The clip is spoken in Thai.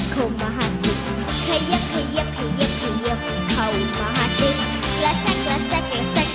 เข้ามาหาสิบ